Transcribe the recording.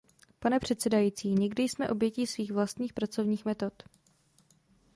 Pane předsedající, někdy jsme obětí svých vlastních pracovních metod.